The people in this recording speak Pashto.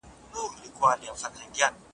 باور کول تر شک کولو ګران دي.